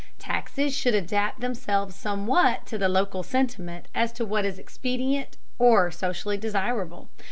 Taxes should adapt themselves somewhat to the local sentiment as to what is expedient or socially desirable.